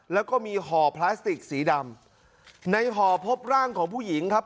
แล้วก็มีห่อพลาสติกสีดำในห่อพบร่างของผู้หญิงครับ